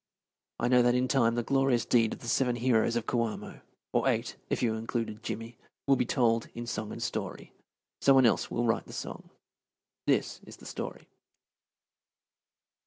I know that in time the glorious deed of the seven heroes of Coamo, or eight, if you include "Jimmy," will be told in song and story. Some one else will write the song. This is the story.